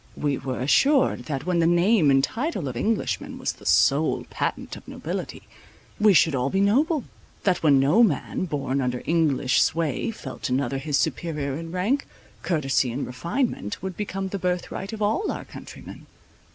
We were assured that, when the name and title of Englishman was the sole patent of nobility, we should all be noble; that when no man born under English sway, felt another his superior in rank, courtesy and refinement would become the birth right of all our countrymen.